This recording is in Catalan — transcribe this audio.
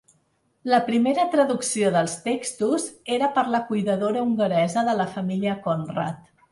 La primera traducció dels textos era per la cuidadora hongaresa de la família Conrat.